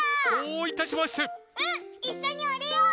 いっしょにおりよう！